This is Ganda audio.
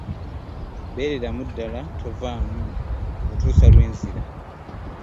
Beereramu ddala tovaamu okutuusa lwe nzira.